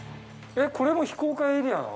えっこれも非公開エリアなの？